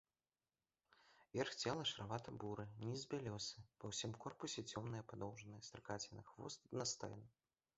Верх цела шаравата-буры, ніз бялёсы, па ўсім корпусе цёмныя падоўжныя стракаціны, хвост аднастайны.